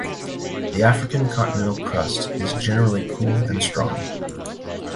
The African continental crust is generally cool and strong.